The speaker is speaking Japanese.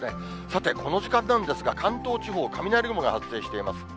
さて、この時間なんですが、関東地方、雷雲が発生しています。